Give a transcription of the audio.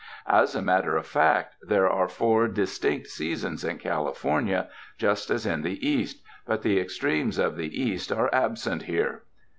As a matter of fact there are four distinct seasons in California just as in the East, but the extremes of the East are absent here.